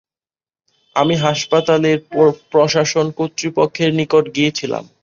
আমি হাসপাতালের প্রশাসন কর্তৃপক্ষের নিকট গিয়েছিলাম।